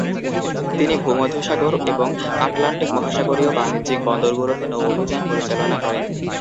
তিনি ভূমধ্যসাগর এবং আটলান্টিক মহাসাগরীয় বাণিজ্যিক বন্দরগুলোতে নৌ অভিযান পরিচালনা করেন।